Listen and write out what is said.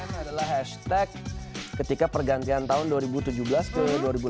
ini adalah hashtag ketika pergantian tahun dua ribu tujuh belas ke dua ribu delapan belas